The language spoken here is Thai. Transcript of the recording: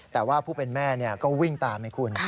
แต่ว่าผู้เป็นแม่ก็วิ่งตามให้คุณ